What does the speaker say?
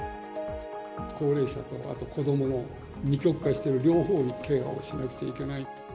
高齢者とあと子どもと二極化している両方にケアをしないといけない。